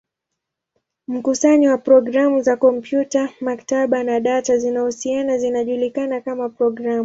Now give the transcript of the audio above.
Mkusanyo wa programu za kompyuta, maktaba, na data zinazohusiana zinajulikana kama programu.